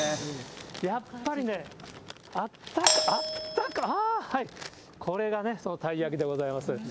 やっぱりね、あったかい、あー、これがたい焼きでございます。